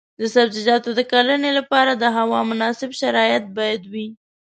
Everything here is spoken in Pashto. د سبزیجاتو د کرنې لپاره د هوا مناسب شرایط باید وي.